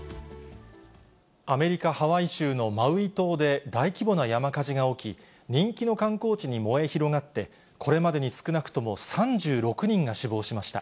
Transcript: アメリカ・ハワイ州のマウイ島で大規模な山火事が起き、人気の観光地に燃え広がって、これまでに少なくとも３６人が死亡しました。